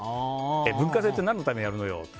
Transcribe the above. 文化祭って何のためにやるのよって。